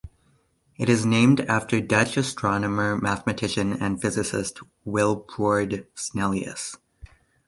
It is named after Dutch astronomer, mathematician and physicist, Willebrord Snellius.